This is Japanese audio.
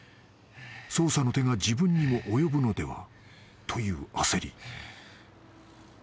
［捜査の手が自分にも及ぶのでは？という焦り］